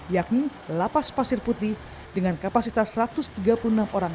yakni lapas pasir putih dengan kapasitas satu ratus tiga puluh enam orang